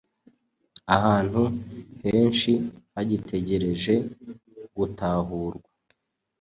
ahantu henshi hagitegereje gutahurwa